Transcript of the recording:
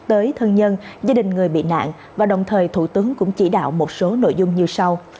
tới thân nhân gia đình người bị nạn và đồng thời thủ tướng cũng chỉ đạo một số nội dung như sau